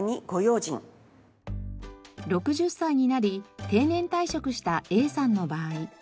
６０歳になり定年退職したＡさんの場合。